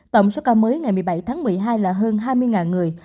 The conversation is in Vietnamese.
tổng số ca mới ngày một mươi bảy tháng một mươi hai là hơn hai mươi người